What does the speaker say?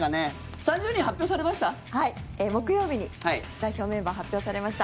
３０人発表されました？